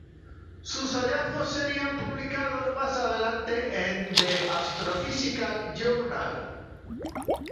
Sus hallazgos serían publicados más adelante en the Astrophysical Journal.